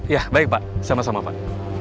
ya baik pak sama sama pak